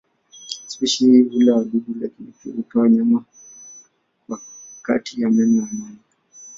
Spishi hii hula wadudu lakini pia hutoa nyama kwa kati ya meno ya mamba.